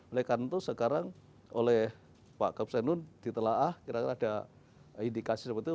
oleh karena itu sekarang oleh pak kapsenun ditelaah kira kira ada indikasi seperti itu